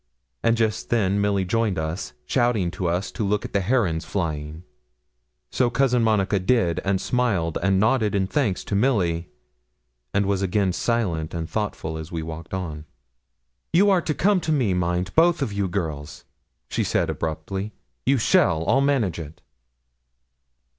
And just then Milly joined us, shouting to us to look at the herons flying; so Cousin Monica did, and smiled and nodded in thanks to Milly, and was again silent and thoughtful as we walked on. 'You are to come to me, mind, both of you girls,' she said, abruptly; 'you shall. I'll manage it.'